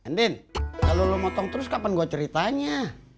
ndin kalau lo motong terus kapan gue ceritanya